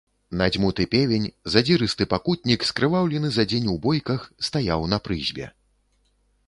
Надзьмуты певень, задзірысты пакутнік, скрываўлены за дзень у бойках, стаяў на прызбе.